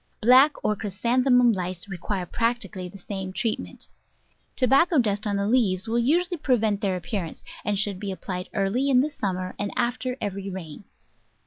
Black or Chrysanthemum Lice require practically the same treatment. Tobacco dust on the leaves will usually prevent their appearance, and should be ap plied early in the summer and after every rain.